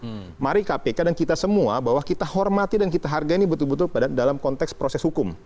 nah mari kpk dan kita semua bahwa kita hormati dan kita hargai ini betul betul dalam konteks proses hukum